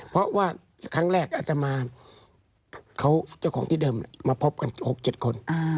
เพราะว่าครั้งแรกอัตมาเขาเจ้าของที่เดิมมาพบกัน๖๗คน